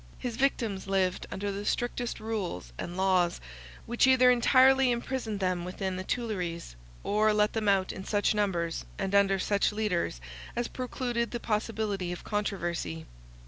His victims lived under the strictest rules and laws, which either entirely imprisoned them within the Tuileries, or let them out in such numbers, and under such leaders, as precluded the possibility of controversy.